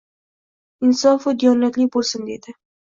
Insofu diyonatli bo`lsin, deydi